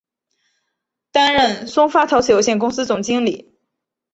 担任松发陶瓷有限公司总经理。